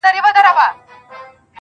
خو كله ، كله مي بيا.